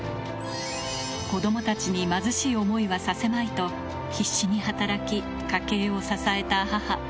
子どもたちに貧しい思いはさせまいと、必死に働き、家計を支えた母。